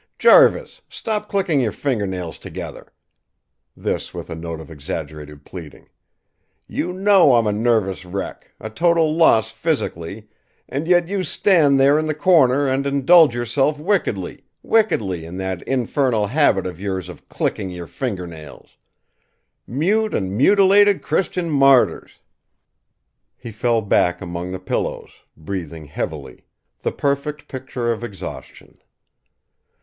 Jarvis, stop clicking your finger nails together!" This with a note of exaggerated pleading. "You know I'm a nervous wreck, a total loss physically, and yet you stand there in the corner and indulge yourself wickedly, wickedly, in that infernal habit of yours of clicking your finger nails! Mute and mutilated Christian martyrs!" He fell back among the pillows, breathing heavily, the perfect picture of exhaustion.